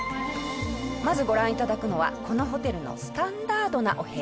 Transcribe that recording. まずご覧頂くのはこのホテルのスタンダードなお部屋です。